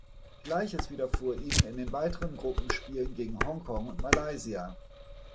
Gleiches widerfuhr ihnen in den weiteren Gruppenspielen gegen Hongkong und Malaysia.